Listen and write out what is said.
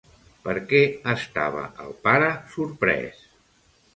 Per què estava el pare sorprès?